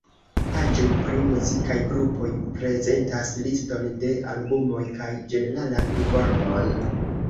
Paĝoj pri muzikaj grupoj prezentas liston de albumoj kaj ĝeneralan informon.